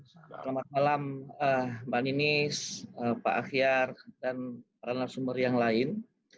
selamat malam mbak ninis pak ahyar dan para narasumber yang lain